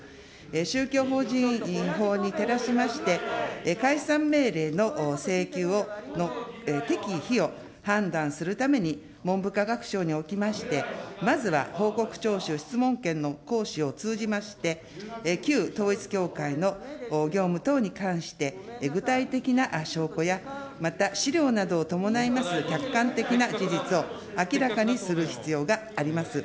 宗教法人法に照らしまして、解散命令の請求の適否を判断するために、文部科学省におきまして、まずは報告聴取、質問権の行使を通じまして、旧統一教会の業務等に関して、具体的な証拠や、また資料などを伴います客観的な事実を明らかにする必要があります。